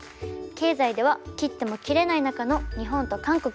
経済では切っても切れない仲の日本と韓国。